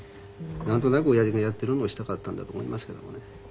なんとなく親父がやってるのをしたかったんだと思いますけどもね。